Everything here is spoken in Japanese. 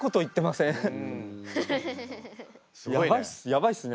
やばいっす。